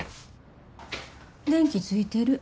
電気ついてる。